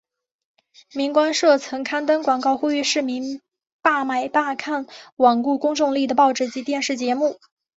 明光社曾刊登广告呼吁市民罢买罢看罔顾公众利益的报纸及电视节目。